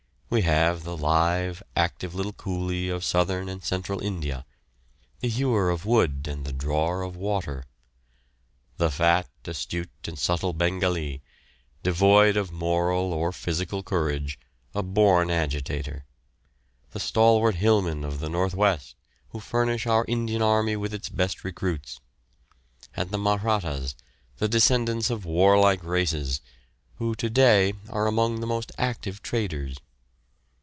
We have the lithe, active little coolie of Southern and Central India, the hewer of wood and the drawer of water; the fat, astute, and subtle Bengalee, devoid of moral or physical courage, a born agitator; the stalwart hillmen of the North West who furnish our Indian army with its best recruits; and the Mahrattas, the descendants of warlike races, who to day are among the most active traders.